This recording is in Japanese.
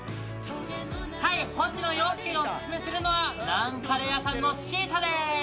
はい星野陽介がおすすめするのはナンカレー屋さんのシータです